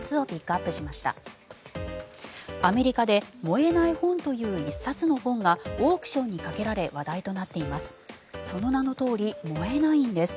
アメリカで燃えない本という１冊の本がオークションにかけられ話題となっています。